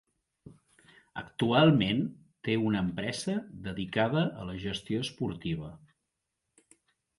Actualment té una empresa dedicada a la gestió esportiva.